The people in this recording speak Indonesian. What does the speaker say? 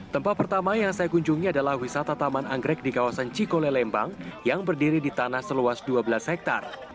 tempat pertama yang saya kunjungi adalah wisata taman anggrek di kawasan cikolelembang yang berdiri di tanah seluas dua belas hektare